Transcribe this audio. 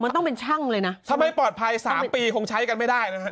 มันต้องเป็นช่างเลยนะถ้าไม่ปลอดภัยสามปีคงใช้กันไม่ได้นะฮะ